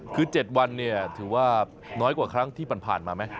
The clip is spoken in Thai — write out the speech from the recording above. คือ๗วันเนี่ยถือว่าน้อยกว่าครั้งที่ผ่านมาไหม